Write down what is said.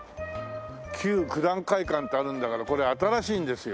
「旧九段会館」ってあるんだからこれ新しいんですよ。